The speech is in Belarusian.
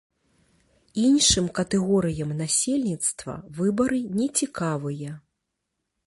Іншым катэгорыям насельніцтва выбары не цікавыя.